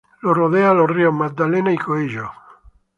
Lo rodea los ríos Magdalena y Coello.